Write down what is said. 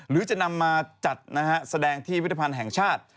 หรือจะนำมาจัดนะฮะแสดงที่พิธภัณฑ์แห่งชาติ